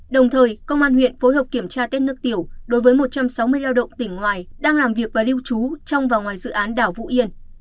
đồng thời công an huyện phối hợp kiểm tra tết nước tiểu đối với một trăm sáu mươi lao động tỉnh ngoài đang làm việc và lưu trú trong và ngoài dự án đảo vũ yên